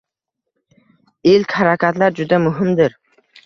Ilk harakatlar juda muhimdir.